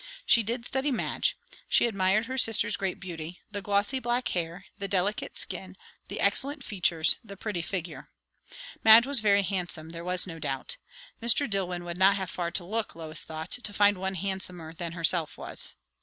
She did study Madge. She admired her sister's great beauty; the glossy black hair, the delicate skin, the excellent features, the pretty figure. Madge was very handsome, there was no doubt; Mr. Dillwyn would not have far to look, Lois thought, to find one handsomer than herself was.